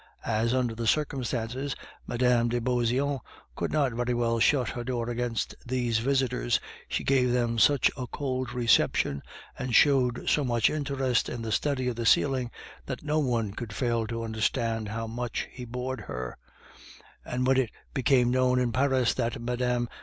As, under the circumstances, Mme. de Beauseant could not very well shut her door against these visitors, she gave them such a cold reception, and showed so much interest in the study of the ceiling, that no one could fail to understand how much he bored her; and when it became known in Paris that Mme.